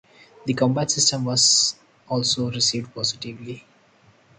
The combat system was also received positively.